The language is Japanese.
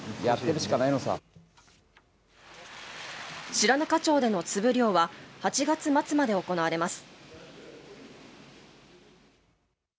白糠町でのつぶ漁は８月末まで行われます。